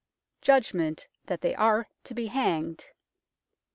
'' Judgment that they are to be hanged.